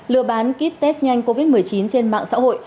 lừa bán kýt test nhanh covid một mươi chín trên mạng xã hội